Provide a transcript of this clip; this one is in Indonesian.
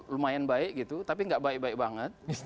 lumayan baik gitu tapi nggak baik baik banget